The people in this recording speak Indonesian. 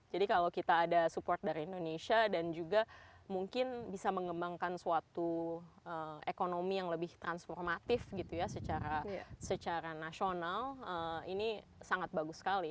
jadi kalau kita ada support dari indonesia dan juga mungkin bisa mengembangkan suatu ekonomi yang lebih transformatif gitu ya secara nasional ini sangat bagus sekali